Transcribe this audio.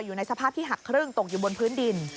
อยู่ในสภาพที่หักครึ่งตกอยู่บนพื้นดิน